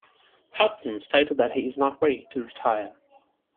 Hudson stated that he is not ready to retire.